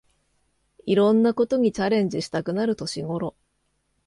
いろんなことにチャレンジしたくなる年ごろ